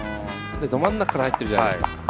ど真ん中から入ってるじゃないですか。